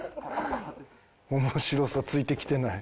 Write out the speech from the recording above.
面白さついてきてない。